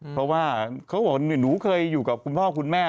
เพราะว่าเขาบอกว่าหนูเคยอยู่กับคุณพ่อคุณแม่